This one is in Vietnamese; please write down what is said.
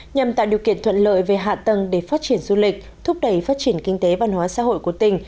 nhằm tạo điều kiện thuận lợi về hạ tầng để phát triển du lịch thúc đẩy phát triển kinh tế văn hóa xã hội của tỉnh